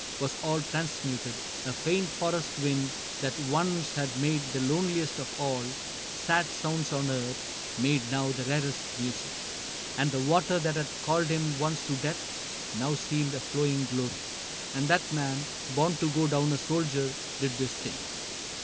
Was all transmuted ; a faint forest wind That once had made the loneliest of all Sad sounds on earth, made now the rarest music ; And the water that had called him once to death Now seemed a flowing glory. And that man. Born to go down a soldier, did this thing.